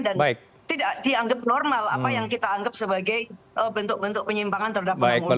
dan tidak dianggap normal apa yang kita anggap sebagai bentuk bentuk penyimpangan terhadap pengangguran